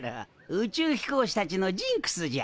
宇宙飛行士たちのジンクスじゃ。